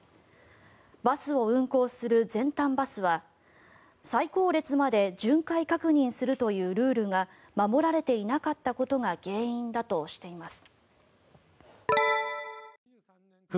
バスを運行する全但バスは最後列まで巡回確認するというルールが守られていなかったことが原因だとしています。